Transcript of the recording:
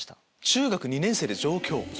中学２年生で上京。